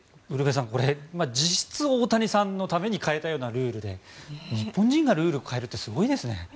ウルヴェさん、これ実質、大谷さんのために変えたようなルールで日本人がルールを変えるってすごいですね。